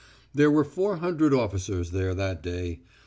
There were four hundred officers there that day.